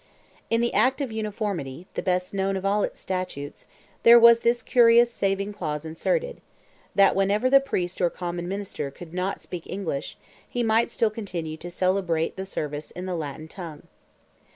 In the Act of Uniformity, the best known of all its statutes, there was this curious saving clause inserted: that whenever the "priest or common minister" could not speak English, he might still continue "to celebrate the service in the Latin tongue."